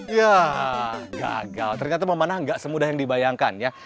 ya gagal ternyata memanah gak semudah yang dibayangkan ya